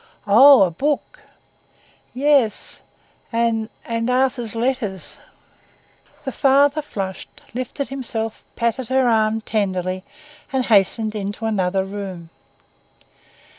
"Oh, a book?" "Yes, and—and Arthur's letters." The father flushed, lifted himself, patted her arm tenderly and hastened into another room.